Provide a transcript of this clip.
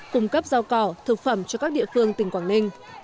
cung cấp rau cỏ thực phẩm cho các địa phương tỉnh quảng ninh